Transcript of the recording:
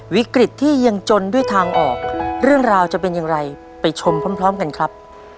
วิกฤตที่ยังจนด้วยทางออกเรื่องราวจะเป็นอย่างไรไปชมพร้อมกันครับ